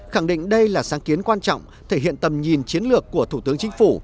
khẳng định đây là sáng kiến quan trọng thể hiện tầm nhìn chiến lược của thủ tướng chính phủ